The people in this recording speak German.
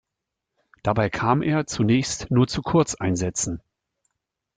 Dabei kam er zunächst nur zu Kurzeinsätzen.